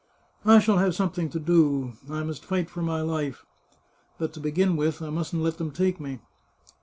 I shall have something to do ; I must fight for my life. But to begin with, I mustn't let them take me